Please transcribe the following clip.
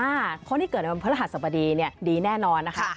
คนที่เกิดในวันพฤหัสบดีเนี่ยดีแน่นอนนะคะ